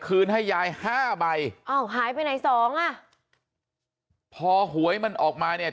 ให้ยายห้าใบอ้าวหายไปไหนสองอ่ะพอหวยมันออกมาเนี่ย